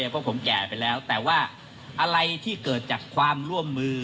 เพราะผมแก่ไปแล้วแต่ว่าอะไรที่เกิดจากความร่วมมือ